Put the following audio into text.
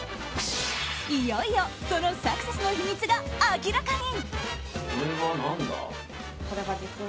いよいよ、そのサクセスの秘密が明らかに。